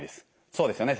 そうですよね？